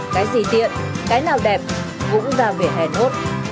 cái gì tiện cái nào đẹp cũng vào vỉa hè nốt